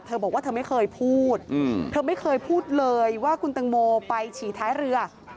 บอกว่าเธอไม่เคยพูดเธอไม่เคยพูดเลยว่าคุณตังโมไปฉี่ท้ายเรือ